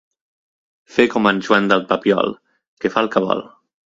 Fer com en Joan del Papiol, que fa el que vol.